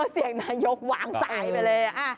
เสียงนายกวางสายไปเลย